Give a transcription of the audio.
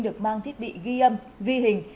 được mang thiết bị ghi âm ghi hình